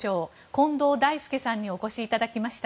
近藤大介さんにお越しいただきました。